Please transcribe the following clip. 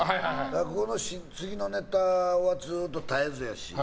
落語の次のネタはずっと、絶えずやし。